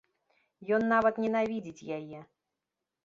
Ён нават ненавідзіць яе.